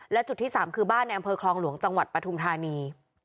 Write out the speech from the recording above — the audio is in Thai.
และจุดที่๓คือบ้านในอำเภอคลองหลวงจังหวัดปทุมธานี